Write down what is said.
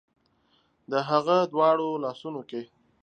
د هغه دواړو لاسونو کې